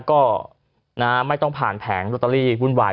ก็ไม่ต้องผ่านแผงลอตเตอรี่วุ่นวาย